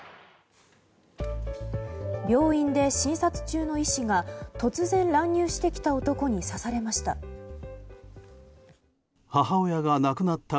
病院で診察中の医師が突然、乱入してきた男に刺されました。